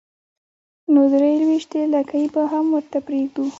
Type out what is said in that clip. نو درې لوېشتې لکۍ به هم درته پرېږدو.